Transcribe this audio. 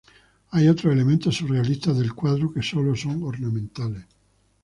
Hay otros elementos surrealistas del cuadro que sólo son ornamentales.